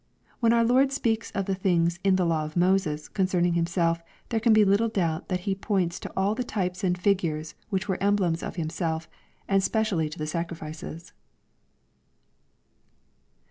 When our Lord speaks of the things in the " law of Moses" concerning Himself, there can be little doubt that He points to all the types and figures which were emblems of Himself, and spe cially to the sacrifices.